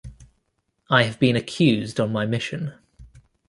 I have been accused on my mission.